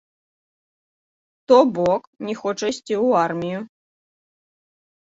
То бок, не хоча ісці ў армію.